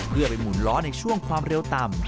เพื่อไปหมุนล้อในช่วงความเร็วต่ำ